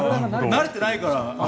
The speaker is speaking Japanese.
慣れてないから。